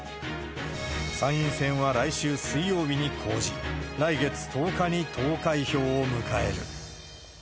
参院選は来週水曜日に公示、来月１０日に投開票を迎える。